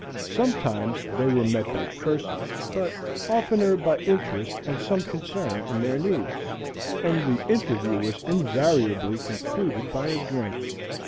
Sometimes they were met by curses, but oftener by interest and some concern in their needs, and the interview was invariably concluded by a drink.